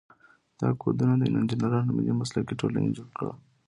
دا کودونه د انجینرانو ملي مسلکي ټولنې جوړ کړي.